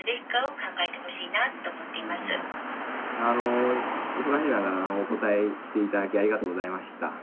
あの忙しい中お答えしていただきありがとうございました。